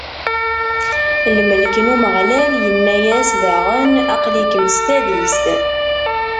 Lmelk n Umeɣlal inna-as daɣen: Aql-ikem s tadist.